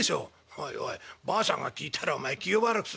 「おいおいばあさんが聞いたらお前気を悪くするぞ。